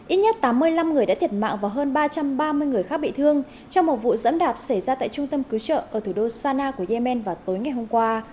ít nhất tám mươi năm người đã thiệt mạng và hơn ba trăm ba mươi người khác bị thương trong một vụ dẫm đạp xảy ra tại trung tâm cứu trợ ở thủ đô sana của yemen vào tối ngày hôm qua